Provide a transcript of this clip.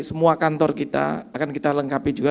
semua kantor kita akan kita lengkapi juga